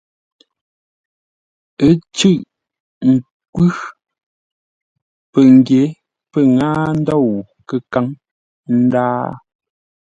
Ə́ ncʉ́ʼ nkwʉ́. Pəngyě pə́ ŋâa ndôu kə́káŋ, ə́ ndǎa.